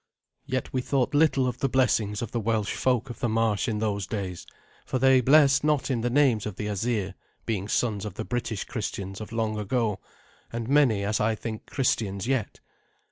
Yet we thought little of the blessings of the Welsh folk of the marsh in those days, for they blessed not in the names of the Asir, being sons of the British Christians of long ago, and many, as I think, Christians yet.